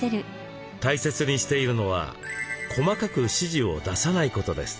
大切にしているのは細かく指示を出さないことです。